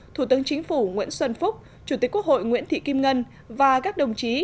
thủ tướng chính phủ nguyễn xuân phúc chủ tịch quốc hội nguyễn thị kim ngân và các đồng chí